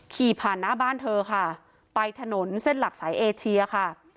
ขี่ผ่านหน้าบ้านเธอค่ะไปถนนเส้นหลักสายเอเชียค่ะ